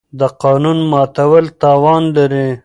د قانون ماتول تاوان لري.